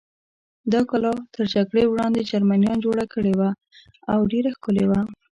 دا کلا تر جګړې وړاندې جرمنیان جوړه کړې وه او ډېره ښکلې وه.